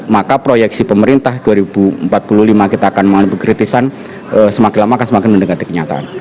maka proyeksi pemerintah dua ribu empat puluh lima kita akan mengalami kritisan semakin lama akan semakin mendekati kenyataan